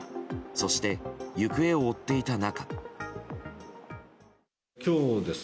そして、行方を追っていた中。